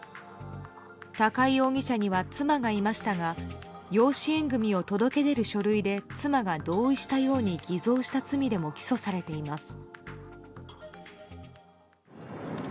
高井容疑者には妻がいましたが養子縁組を届け出る書類で妻が同意したように偽造した罪でも起訴されています。